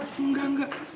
enggak enggak enggak